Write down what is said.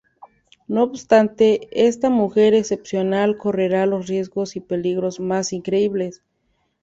No obstante, esta mujer excepcional correrá los riesgos y peligros más increíbles.